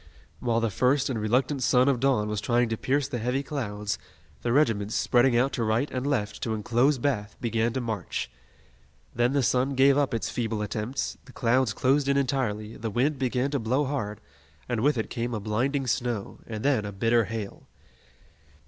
While the first and reluctant sun of dawn was trying to pierce the heavy clouds, the regiments, spreading out to right and left to enclose Bath, began to march. Then the sun gave up its feeble attempts, the clouds closed in entirely, the wind began to blow hard, and with it came a blinding snow, and then a bitter hail.